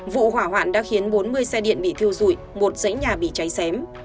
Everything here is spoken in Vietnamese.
vụ hỏa hoạn đã khiến bốn mươi xe điện bị thiêu dụi một dãy nhà bị cháy xém